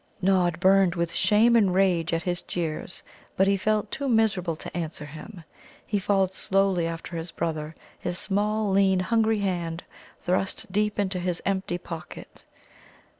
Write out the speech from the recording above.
Nod burned with shame and rage at his jeers, but he felt too miserable to answer him. He followed slowly after his brother, his small, lean, hungry hand thrust deep into his empty pocket.